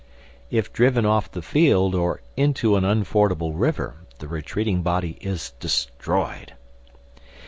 If driven off the field or into an unfordable river, the retreating body is destroyed.